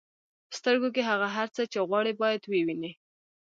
په سترګو کې هغه هر څه چې غواړئ باید ووینئ.